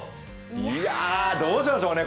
いや、どうしましょうね。